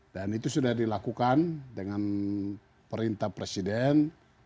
dan itu sudah dilakukan dengan perintah presiden